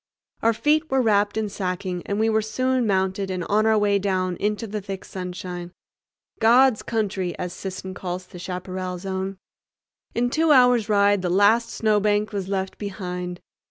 Our feet were wrapped in sacking, and we were soon mounted and on our way down into the thick sunshine—"God's Country," as Sisson calls the Chaparral Zone. In two hours' ride the last snowbank was left behind.